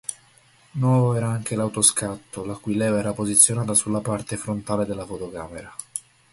Nuovo era anche l'auto-scatto la cui leva era posizionata sulla parte frontale della fotocamera.